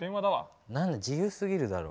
何だ自由すぎるだろ。